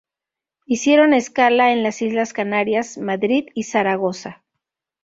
Hicieron escala en las Islas Canarias, Madrid y Zaragoza.